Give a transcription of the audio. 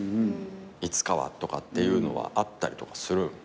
いつかはとかっていうのはあったりとかするの？